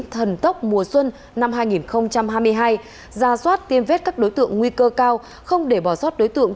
thần tốc mùa xuân năm hai nghìn hai mươi hai ra soát tiêm vết các đối tượng nguy cơ cao không để bỏ sót đối tượng